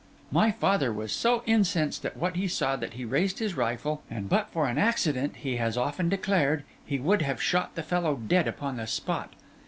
My father was so incensed at what he saw that he raised his rifle; and but for an accident, he has often declared, he would have shot the fellow dead upon the spot.